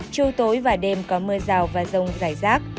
chiều tối và đêm có mưa rào và rông rải rác